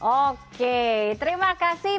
oke terima kasih